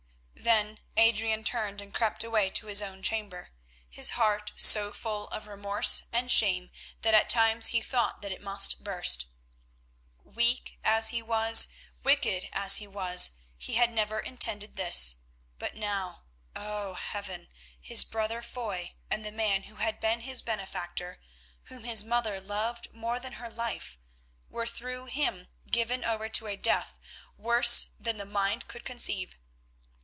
Then Adrian turned and crept away to his own chamber, his heart so full of remorse and shame that at times he thought that it must burst. Weak as he was, wicked as he was, he had never intended this, but now, oh Heaven! his brother Foy and the man who had been his benefactor, whom his mother loved more than her life, were through him given over to a death worse than the mind could conceive.